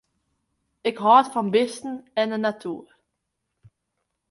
Ik hâld fan bisten en de natuer.